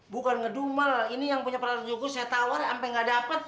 bukan ngedumel ini yang punya peralatan cukur saya tawar sampai gak dapat